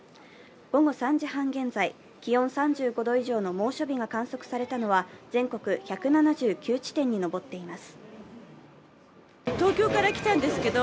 午後３時半現在、気温３５度以上の猛暑日が観測されたのは、全国１７９地点に上っています。